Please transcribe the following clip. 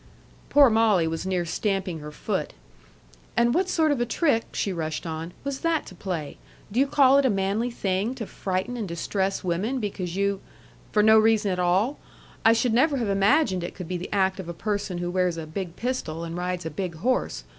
Poor Molly was near stamping her foot. "And what sort of a trick," she rushed on, "was that to play? Do you call it a manly thing to frighten and distress women because you for no reason at all? I should never have imagined it could be the act of a person who wears a big pistol and rides a big horse.